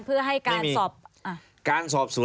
เพื่อให้การสอบ